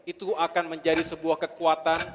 itu akan menjadi sebuah kekuatan